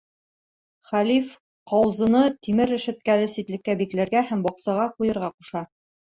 Хәлиф ҡауҙыны тимер рәшәткәле ситлеккә бикләргә һәм баҡсаға ҡуйырға ҡуша.